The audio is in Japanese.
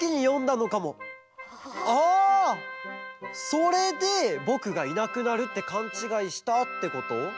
それでぼくがいなくなるってかんちがいしたってこと？